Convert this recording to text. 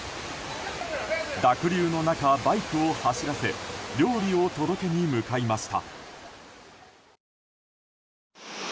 濁流の中、バイクを走らせ料理を届けに向かいました。